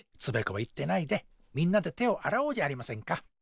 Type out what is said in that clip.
つべこべ言ってないでみんなで手をあらおうじゃありませんか。